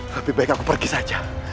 lebih baik aku pergi saja